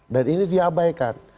dan ini diabaikan